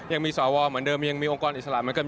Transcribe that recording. ยังมีสวเหมือนเดิมยังมีองค์กรอิสระเหมือนกัน